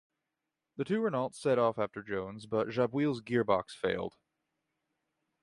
The two Renaults set off after Jones, but Jabouille's gearbox failed.